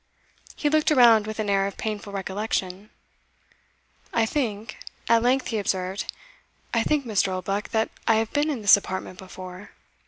He looked around with an air of painful recollection. "I think," at length he observed, "I think, Mr. Oldbuck, that I have been in this apartment before."